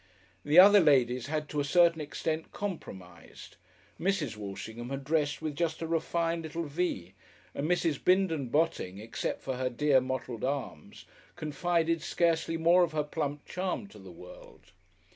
The other ladies had to a certain extent compromised. Mrs. Walshingham had dressed with just a refined, little V and Mrs. Bindon Botting, except for her dear mottled arms, confided scarcely more of her plump charm to the world.